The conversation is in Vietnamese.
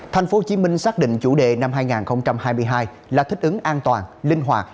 thành phố hồ chí minh xác định chủ đề năm hai nghìn hai mươi hai là thích ứng an toàn linh hoạt